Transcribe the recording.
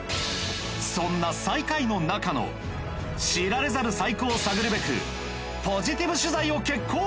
そんな最下位の中の知られざる最高を探るべくポジティブ取材を決行！